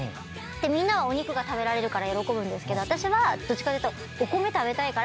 みんなはお肉が食べられるから喜ぶんですけど私はどっちかっていうと。